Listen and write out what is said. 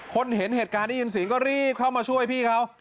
เห็นเหตุการณ์ได้ยินเสียงก็รีบเข้ามาช่วยพี่เขา